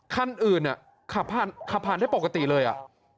คันอื่นอ่ะขับผ่านขับผ่านได้ปกติเลยอ่ะ